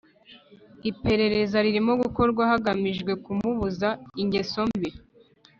Iperereza ririmo gukorwa hagamijwe kumubuza ingeso mbi.